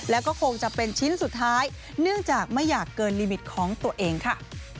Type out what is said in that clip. แล้วก็คงจะเป็นชิ้นสุดท้ายเนื่องจากไม่อยากเกินลิมิตของตัวเองค่ะ